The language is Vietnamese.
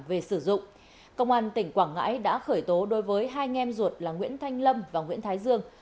để sử dụng công an tỉnh quảng ngãi đã khởi tố đối với hai nghe em ruột là nguyễn thanh lâm và nguyễn thái dương